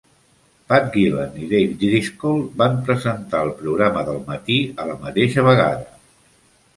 Pat Gillen i Dave Driscoll van presentar el programa del matí a la mateixa vegada.